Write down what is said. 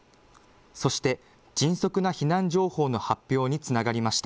そして迅速な避難情報の発表につながりました。